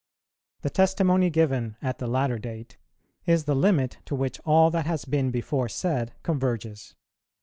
The testimony given at the latter date is the limit to which all that has been before said converges.